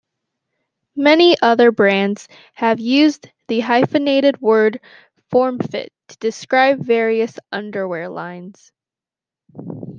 Many other brands have used the hyphenated word "Form-Fit" to describe various underwear lines.